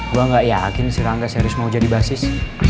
gue gak yakin si rangga series mau jadi basis